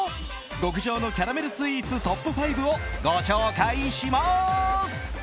極上のキャラメルスイーツトップ５をご紹介します。